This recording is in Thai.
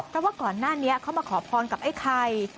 ก็ว่าก่อนหน้านี้เขามาขอพรกับไอ้ใคร